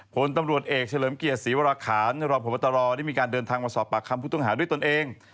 ผลตำรวจเอกเฉลิมเกียรติศรีวราคารรองพบตรได้มีการเดินทางมาสอบปากคำผู้ต้องหาด้วยตนเอง